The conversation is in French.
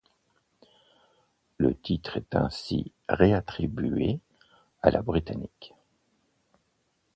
Le titre est ainsi réattribuée à la Britannique.